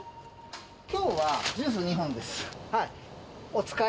きょうはジュース２本です。